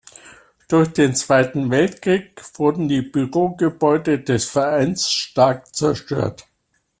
Durch den Zweiten Weltkrieg wurden die Bürogebäude des Vereins stark zerstört.